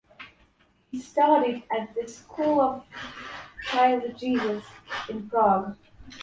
He studied at the School of the Child Jesus in Prague.